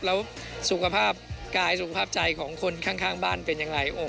แล้วสุขภาพกายสุขภาพใจของคนข้างบ้านเป็นอย่างไร